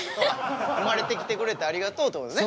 生まれてきてくれてありがとうというね。